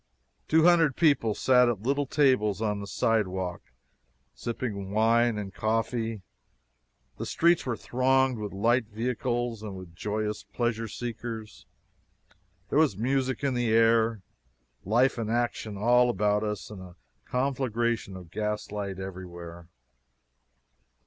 Two hundred people sat at little tables on the sidewalk, sipping wine and coffee; the streets were thronged with light vehicles and with joyous pleasure seekers; there was music in the air, life and action all about us, and a conflagration of gaslight everywhere!